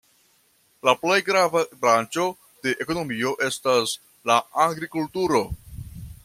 La plej grava branĉo de ekonomio estas la agrikulturo.